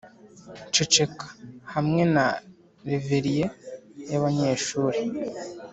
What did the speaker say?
ceceka hamwe na reverie yabanyeshuri;